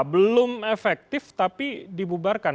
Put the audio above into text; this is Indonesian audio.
belum efektif tapi dibubarkan